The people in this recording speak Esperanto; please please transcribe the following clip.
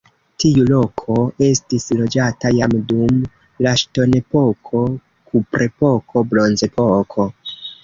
Tiu loko estis loĝata jam dum la ŝtonepoko, kuprepoko, bronzepoko.